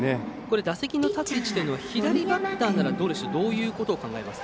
打席の立つ位置というのは左バッターならどういうことを考えますか？